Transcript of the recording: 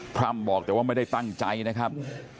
พร่ำบอกแต่ว่าไม่ได้ตั้งใจนะครับ